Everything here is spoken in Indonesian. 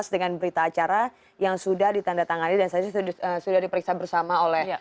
dengan berita acara yang sudah ditanda tangan dia dan sudah diperiksa bersama dia